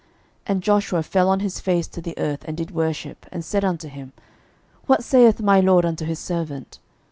And Joshua fell on his face to the earth, and did worship, and said unto him, What saith my Lord unto his servant?